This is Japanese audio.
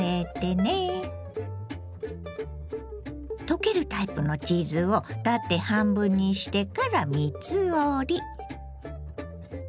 溶けるタイプのチーズを縦半分にしてから３つ折り。